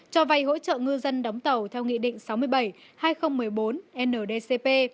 cho vay hỗ trợ ngư dân đóng tàu theo nghị định sáu mươi bảy hai nghìn một mươi bốn ndcp